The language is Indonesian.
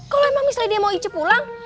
kalo emang misalnya dia mau ice pulang